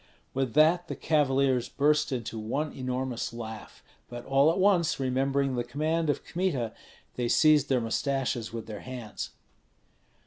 With that the cavaliers burst into one enormous laugh; but all at once remembering the command of Kmita, they seized their mustaches with their hands.